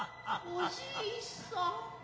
おじいさん。